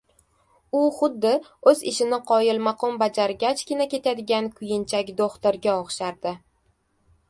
U xuddi oʻz ishini qoyilmaqom bajargachgina ketadigan kuyinchak doʻxtirga oʻxshardi.